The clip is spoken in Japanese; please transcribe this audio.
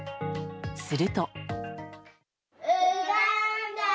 すると。